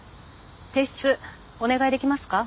提出お願いできますか？